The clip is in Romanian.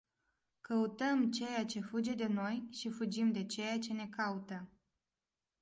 Căutăm ceea ce fuge de noi și fugim de ceea ce ne caută.